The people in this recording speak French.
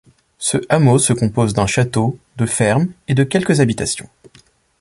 Ce hameau se compose d'un château, de fermes et de quelques habitations.